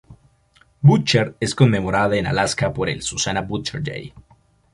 Butcher es conmemorada en Alaska por el Susan Butcher Day.